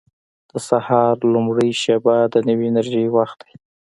• د سهار لومړۍ شېبه د نوې انرژۍ وخت دی.